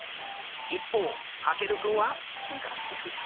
一方翔くんは。え？